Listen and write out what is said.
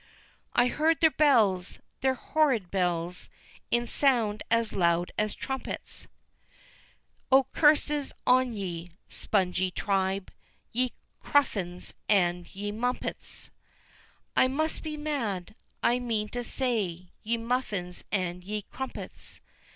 "I heard their bells their horrid bells in sound as loud as trumpets, Oh, curses on ye, spongy tribe! Ye cruffins and ye mumpets! I must be mad! I mean to say ye muffins and ye crumpets!